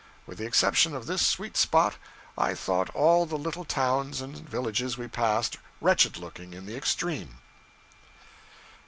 With the exception of this sweet spot, I thought all the little towns and villages we passed wretched looking in the extreme.'